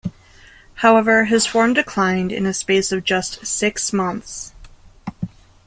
However, his form declined in a space of just six months.